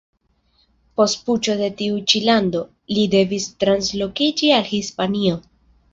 Post puĉo en tiu ĉi lando, li devis translokiĝi al Hispanio.